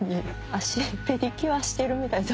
足ペディキュアしてるみたい。